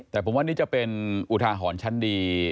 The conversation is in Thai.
แต่ผมว่านี่จะเป็นอุทาหรณ์ชั้นดี